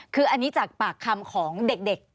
คืออันนี้จากปากคำของเด็ก